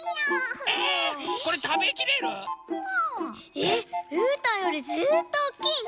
えっうーたんよりずっとおっきいね！